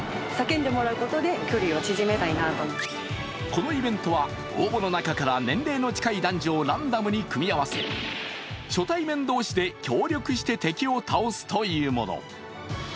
このイベントは、応募の中から年齢の近い男女をランダムに組み合わせ初対面同士で協力して敵を倒すというもの。